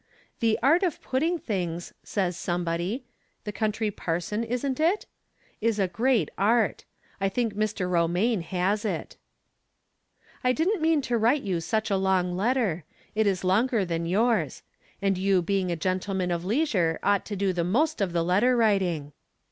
The " art of putting things," says somebody (the " Country Parson," isn't it?) is a great art. I think Mr. Eomaine has it. I didn't mean to write you such a long letter. It is longer than yours ; and you being a gentle man of leisure ought to do the most of the letter writing.